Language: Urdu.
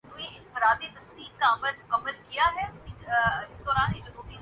مارکس کے ہاں یہ طبقاتی کشمکش ہے۔